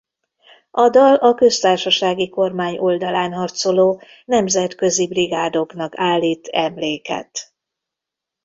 A dal a köztársasági kormány oldalán harcoló nemzetközi brigádoknak állít emléket.